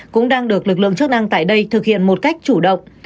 cũng đang được lực lượng chức năng tại đây thực hiện một cách chủ động